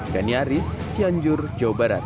gani aris cianjur jawa barat